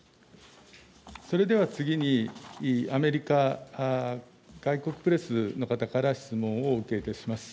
それでは次に、アメリカ、外国プレスの方から質問をお受けいたします。